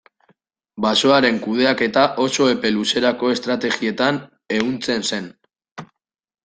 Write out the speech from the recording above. Basoaren kudeaketa oso epe luzerako estrategietan ehuntzen zen.